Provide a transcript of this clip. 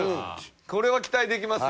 これは期待できますよ。